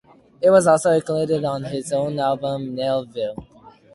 It was also included on his own album "Nellyville".